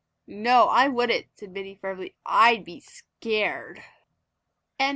"No, I wouldn't," said Minnie firmly. "I'd be scared."